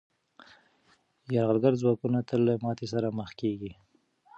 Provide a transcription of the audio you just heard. یرغلګر ځواکونه تل له ماتې سره مخ کېږي.